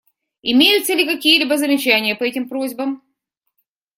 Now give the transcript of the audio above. Имеются ли какие-либо замечания по этим просьбам?